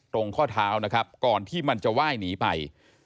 ข้อเท้านะครับก่อนที่มันจะไหว้หนีไป